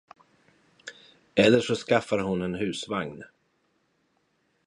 Eller så skaffar hon en husvagn.